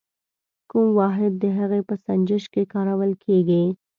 کوم واحد د هغې په سنجش کې کارول کیږي؟